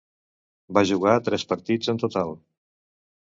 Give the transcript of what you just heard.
Va jugar tres partits en total.